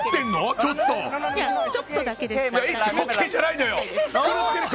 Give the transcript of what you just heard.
ちょっとだけですから。